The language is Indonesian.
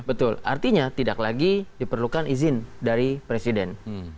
betul artinya tidak lagi diperlukan izin dari presiden